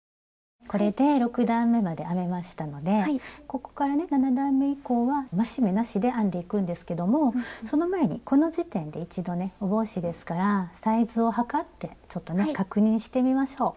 ここからね７段め以降は増し目なしで編んでいくんですけどもその前にこの時点で一度ねお帽子ですからサイズを測ってちょっとね確認してみましょう。